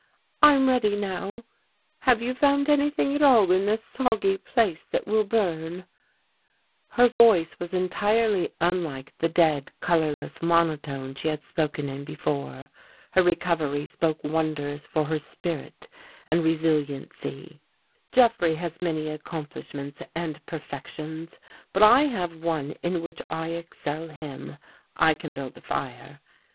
I'm ready now. Have you found anything at all in this soggy place that will burn? " Her voice was entirely unlike the dead, colorless monotone she had spoken in before. Her recovery spoke wonders for her spirit and resiliency. Jeffrey has many accomplishments and perfec tions, but I have one in which I excel him. I can build a fire.